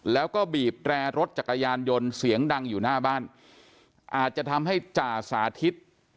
แล้วก็บีบแตรรถจักรยานยนต์เสียงดังอยู่หน้าบ้านอาจจะทำให้จ่าสาธิต